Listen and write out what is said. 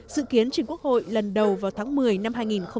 dự kiến trên quốc hội lần đầu vào tháng một mươi năm hai nghìn một mươi bảy